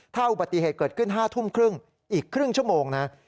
ถ้าอุบัติเหตุเกิดขึ้น๕ทุ่มครึ่งอีกครึ่งชั่วโมงนะ